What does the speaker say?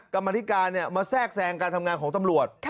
กรรมธิการมาแทรกแทรงการทำงานของตำรวจ